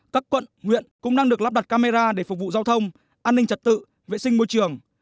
các quận huyện cũng đang được lắp đặt camera để phục vụ giao thông an ninh trật tự vệ sinh môi trường